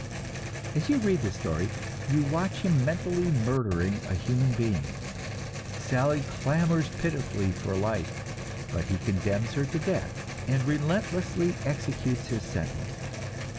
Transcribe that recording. As you read this story, you watch him mentally murdering a human being; "Sally" clamors pitifully for life, but he condemns her to death, and relentlessly executes his sentence.